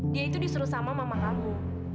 dia itu disuruh sama mama kamu